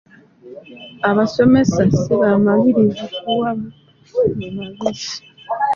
Abasomesa si bamalirirvu kuwa baana baabwe magezi.